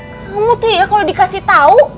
kamu tuh ya kalo dikasih tau